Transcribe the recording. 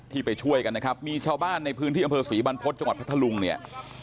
ไปช่วยกันนะครับมีชาวบ้านในพื้นที่อำเภอศรีบรรพฤษจังหวัดพัทธลุงเนี่ย